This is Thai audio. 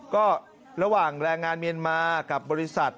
ก็ระหว่างแรงงานเมียนมากับบริษัท